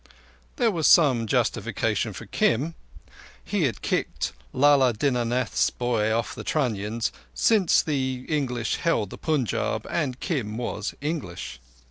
There was some justification for Kim—he had kicked Lala Dinanath's boy off the trunnions—since the English held the Punjab and Kim was English.